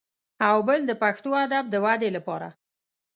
او بل د پښتو ادب د ودې لپاره